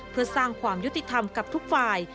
เพื่อสร้างความยุติธรรมกับทุกฝ่าย